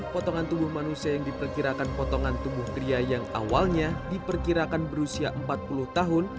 potongan tubuh manusia yang diperkirakan potongan tubuh pria yang awalnya diperkirakan berusia empat puluh tahun